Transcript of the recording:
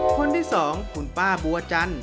คนที่๒คุณป้าบัวจันท